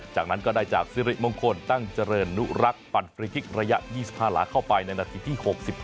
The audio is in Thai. จากนั้นก็ได้จากสิริมงคลตั้งเจริญนุรักษ์ปั่นฟรีคลิกระยะ๒๕หลาเข้าไปในนาทีที่๖๗